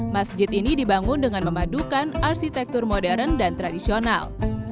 masjid ini dibangun dengan memadukan arsitektur modern dan tradisional